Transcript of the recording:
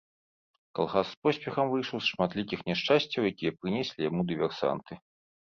Калгас з поспехам выйшаў з шматлікіх няшчасцяў, якія прынеслі яму дыверсанты.